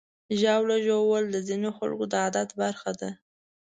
ژاوله ژوول د ځینو خلکو د عادت برخه ده.